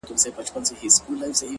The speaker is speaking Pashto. چي سُجده پکي _ نور په ولاړه کيږي _